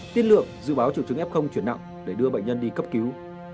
tiết lượng dự báo triệu chứng f chuyển nặng để đưa bệnh nhân đi cấp cứu